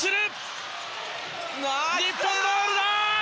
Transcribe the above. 日本ゴールだ！